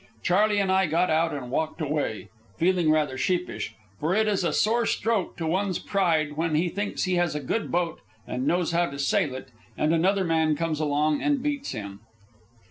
Charley and I got out and walked away, feeling rather sheepish, for it is a sore stroke to one's pride when he thinks he has a good boat and knows how to sail it, and another man comes along and beats him.